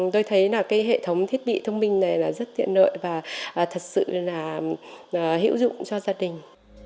tôi thấy là cái hệ thống thiết bị thông minh này là rất tiện nợ và thật sự là hữu dụng cho gia đình